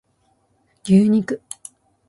牛肉